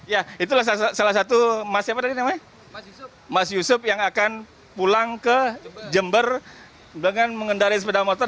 ya itulah salah satu mas yusuf yang akan pulang ke jember dengan mengendarai sepeda motor